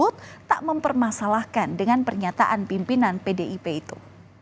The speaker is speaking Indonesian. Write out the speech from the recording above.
jokowi tak mempermasalahkan dengan pernyataan pimpinan pdip itu